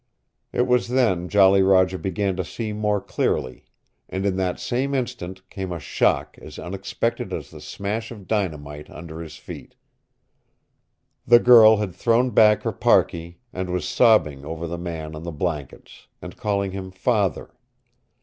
It was then Jolly Roger began to see more clearly. And in that same instant came a shock as unexpected as the smash of dynamite under his feet. The girl had thrown back her parkee, and was sobbing over the man on the blankets, and calling him father.